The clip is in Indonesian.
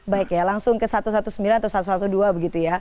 baik ya langsung ke satu ratus sembilan belas atau satu ratus dua belas begitu ya